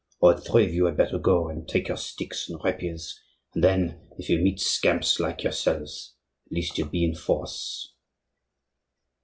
All three of you had better go, and take your sticks and rapiers; and then, if you meet scamps like yourselves, at least you'll be in force."